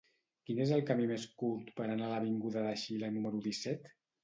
Quin és el camí més curt per anar a l'avinguda de Xile número disset?